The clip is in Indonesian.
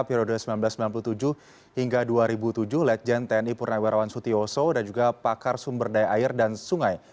periode seribu sembilan ratus sembilan puluh tujuh hingga dua ribu tujuh legend tni purnawirawan sutioso dan juga pakar sumber daya air dan sungai